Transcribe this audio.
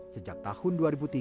sejak tahun dua ribu tiga